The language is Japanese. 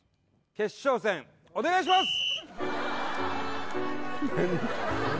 決勝戦お願いします